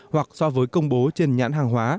hoặc so với công bố trên nhãn hàng hóa